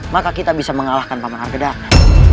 maka kita bisa mengalahkan paman harga dagang